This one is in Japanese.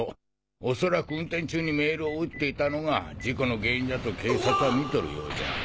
おそらく運転中にメールを打っていたのが事故の原因じゃと警察は見とるようじゃ。